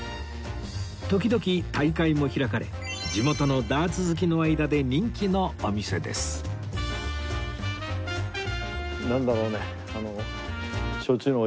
時々大会も開かれ地元のダーツ好きの間で人気のお店ですなんだろうね。